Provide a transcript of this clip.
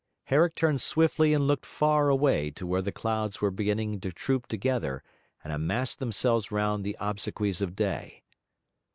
Herrick turned swiftly and looked far away to where the clouds were beginning to troop together and amass themselves round the obsequies of day.